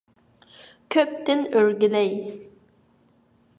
«كۆپ»تىن ئۆرگىلەي!